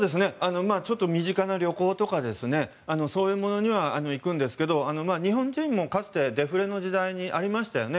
ちょっと身近な旅行とかそういうものには行くんですけど日本人もかつてデフレの時代にありましたよね。